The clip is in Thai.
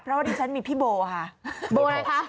เพราะว่าดิฉันมีพี่โบค่ะโบอะไรคะ